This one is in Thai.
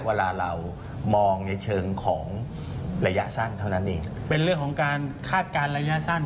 เวลาเรามองในเชิงของระยะสั้นเท่านั้นเองเป็นเรื่องของการคาดการณ์ระยะสั้น